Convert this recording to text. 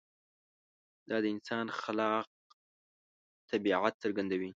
دا د انسان خلاق طبیعت څرګندوي.